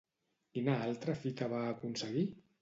Quina altra fita va aconseguir?